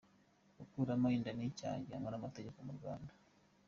Gukuramo inda ni icyaha gihanwa n’amategeko mu Rwanda